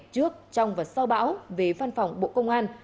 trước trong và sau bão về văn phòng bộ công an